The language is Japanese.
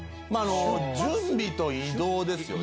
準備と移動ですよね